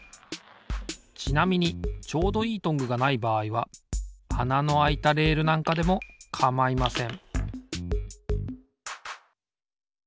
ちなみにちょうどいいトングがないばあいはあなのあいたレールなんかでもかまいません